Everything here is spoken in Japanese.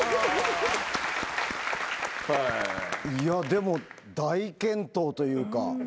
でも大健闘というか。